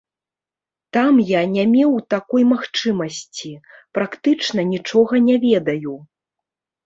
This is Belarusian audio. Там я не меў такой магчымасці, практычна нічога не ведаю.